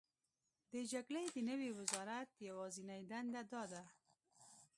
د جګړې د نوي وزرات یوازینۍ دنده دا ده: